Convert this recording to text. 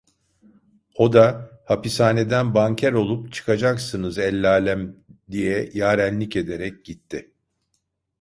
O da: 'Hapishaneden banker olup çıkacaksınız ellalem!' diye yarenlik ederek gitti.